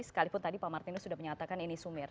sekalipun tadi pak martinus sudah menyatakan ini sumir